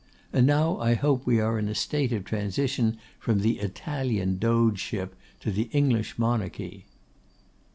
And now I hope we are in a state of transition from the Italian Dogeship to the English Monarchy.